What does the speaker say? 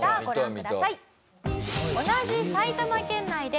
ご覧ください。